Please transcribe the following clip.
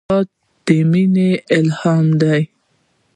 هېواد د مینې الهام دی.